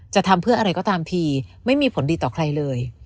จะทำเพื่ออะไรก็ตามทีไม่มีผลดีต่อใครเลย